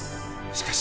しかし